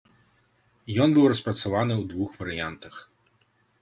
Ён быў распрацаваны ў двух варыянтах.